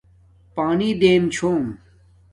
پانی دیم چھوم